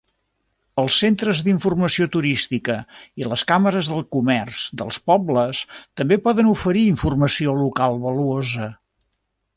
Els centres d'informació turística i les càmeres de comerç dels pobles també poden oferir informació local valuosa.